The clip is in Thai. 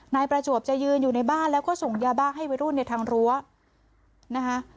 นายประจวบจะยืนอยู่ในบ้านแล้วก็ส่งยาบ้าให้วัยรุ่นในทางรั้วนะคะ